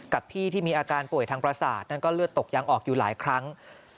กับพี่ที่มีอาการป่วยทางประสาทนั้นก็เลือดตกยังออกอยู่หลายครั้ง